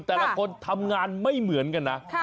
แต่ละคนทำงานไม่เหมือนกันนะ